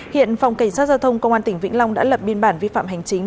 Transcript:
hiện phòng cảnh sát giao thông công an tỉnh vĩnh long đã lập biên bản vi phạm hành chính